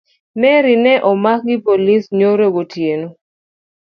Mary ne omak gi polis nyoro gotieno